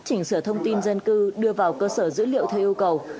chỉnh sửa thông tin dân cư đưa vào cơ sở dữ liệu theo yêu cầu